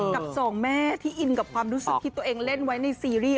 กับสองแม่ที่อินกับความรู้สึกที่ตัวเองเล่นไว้ในซีรีส์